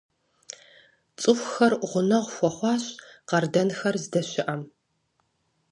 ЦӀыхухэр гъунэгъу хуэхъуащ къардэнхэр здэщыӀэм.